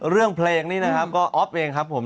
เพลงนี้นะครับก็อ๊อฟเองครับผม